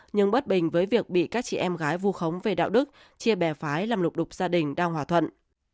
nhưng bất bình với việc bị các chị em gái vu khống về đạo đức chia bè phái làm lục đục gia đình đang hòa thuận